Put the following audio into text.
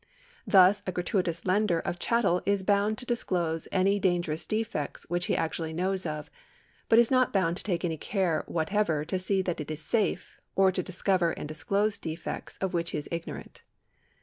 Thus the gratuitous lender of a chattel is bound to disclose any dangerous defects which he actually knows of, but is not bound to take any care whatever to see that it is safe, or to discover and disclose defects of which ho is ignorant.